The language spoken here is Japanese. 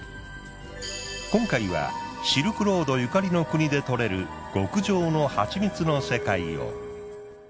今回はシルクロードゆかりの国で採れる極上の蜂蜜の世界を。